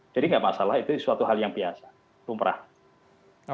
jadi enggak masalah itu suatu hal yang biasa lu merasakan